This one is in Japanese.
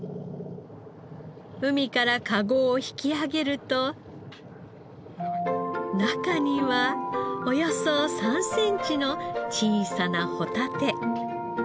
海からカゴを引き上げると中にはおよそ３センチの小さなホタテ。